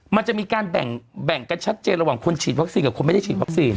มันจะมีการแบ่งกันชัดเจนระหว่างคนฉีดวัคซีนกับคนไม่ได้ฉีดวัคซีน